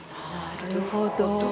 なるほど。